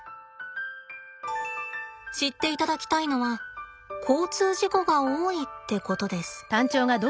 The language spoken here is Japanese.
知っていただきたいのは交通事故が多いってことです。